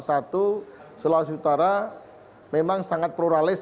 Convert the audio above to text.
satu sulawesi utara memang sangat pluralis